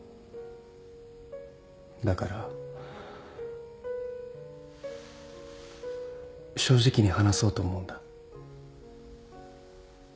だから正直に話そうと思うんだ。